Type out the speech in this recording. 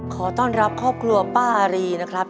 ขอต้อนรับครอบครัวป้าอารีนะครับ